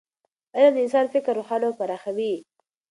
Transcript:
علم د انسان فکر روښانه او پراخوي.